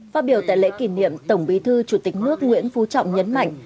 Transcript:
phát biểu tại lễ kỷ niệm tổng bí thư chủ tịch nước nguyễn phú trọng nhấn mạnh